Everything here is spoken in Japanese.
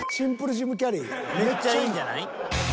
めっちゃいいんじゃない？